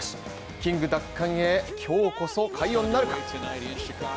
キング奪還へ、今日こそ快音なるか。